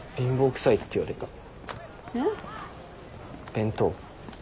弁当。